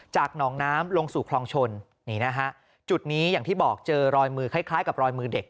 หนองน้ำลงสู่คลองชนนี่นะฮะจุดนี้อย่างที่บอกเจอรอยมือคล้ายกับรอยมือเด็ก